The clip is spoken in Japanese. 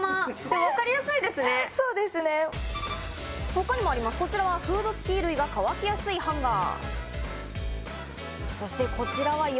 他にもあります、こちらフード付き衣類が乾きやすいハンガー。